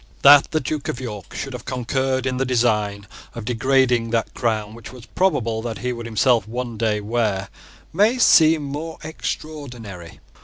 That the Duke of York should have concurred in the design of degrading that crown which it was probable that he would himself one day wear may seem more extraordinary.